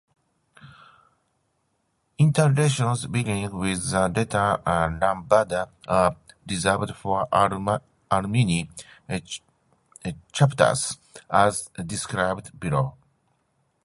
Iterations beginning with the letter Lambda are reserved for alumni chapters as described below.